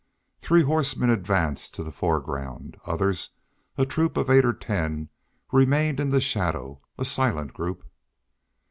Three horsemen advanced to the foreground; others, a troop of eight or ten, remained in the shadow, a silent group.